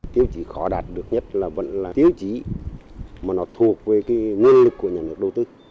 tiêu chí khó đạt được nhất là vẫn là tiêu chí mà nó thuộc về cái nguồn lực của nhà nước đầu tư